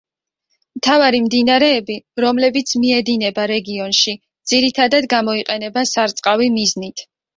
მთავარი მდინარეები რომლებიც მიედინება რეგიონში ძირითადათ გამოიყენება სარწყავი მიზნით.